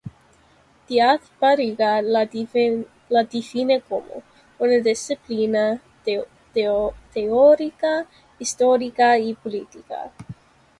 Díaz Barriga la define como: una disciplina teórica, histórica y política.